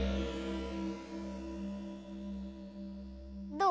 どう？